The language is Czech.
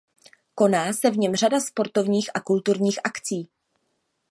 Koná se v něm řada sportovních a kulturních akcí.